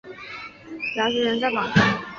表示仍在榜上